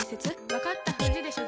わかったふりでしょ